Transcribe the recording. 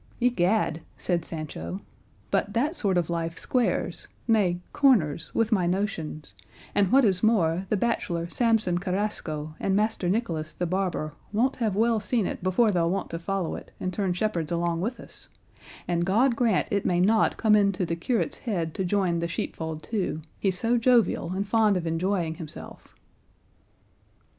"Egad," said Sancho, "but that sort of life squares, nay corners, with my notions; and what is more the bachelor Samson Carrasco and Master Nicholas the barber won't have well seen it before they'll want to follow it and turn shepherds along with us; and God grant it may not come into the curate's head to join the sheepfold too, he's so jovial and fond of enjoying himself."